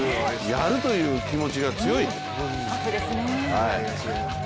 やるという気持ちが強い。